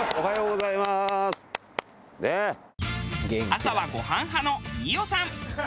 朝はご飯派の飯尾さん。